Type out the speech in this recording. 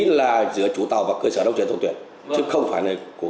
nút ký là giữa chủ tàu và cơ sở đông chuyển tàu tuyển chứ không phải của cơ quan